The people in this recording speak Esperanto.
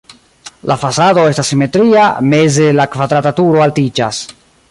La fasado estas simetria, meze la kvadrata turo altiĝas.